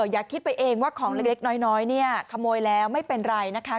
อย่าคิดไปเองว่าของเล็กน้อยเนี่ยขโมยแล้วไม่เป็นไรนะคะ